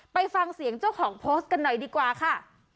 ไปฟังเสียงเจ้าของโพสต์กันหน่อยดีกว่าค่ะ